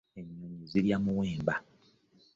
Ennyonyi zirya omuwemba.